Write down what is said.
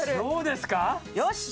どうですか⁉